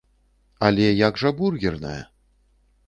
Але як жа бургерная?